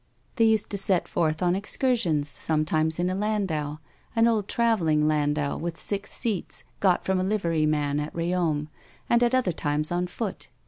They used to set forth on excursions sometimes in a landau, an old traveling landau with six seats, got from a livery man at Riom, and at other times on foot.